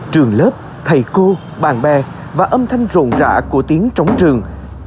trường lớp thầy cô bạn bè và âm thanh rộn rã của tiếng trống trường